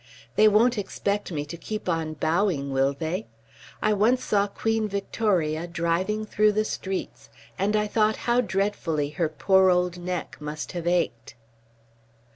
They won't expect me to keep on bowing, will they? I once saw Queen Victoria driving through the streets, and I thought how dreadfully her poor old neck must have ached."